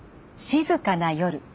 静かな夜。